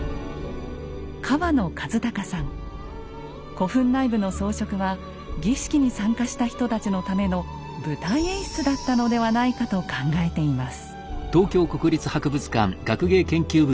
古墳内部の装飾は儀式に参加した人たちのための舞台演出だったのではないかと考えています。